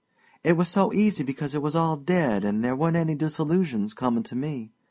It was so easy because it was all dead and there weren't any disillusions comin' to me.